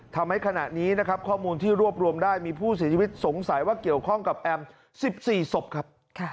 ทำให้ขณะนี้นะครับข้อมูลที่รวบรวมได้มีผู้เสียชีวิตสงสัยว่าเกี่ยวข้องกับแอม๑๔ศพครับ